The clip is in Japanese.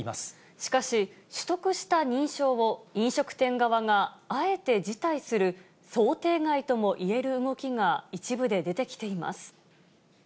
しかし、取得した認証を飲食店側があえて辞退する想定外ともいえる動きが一部で出てきています。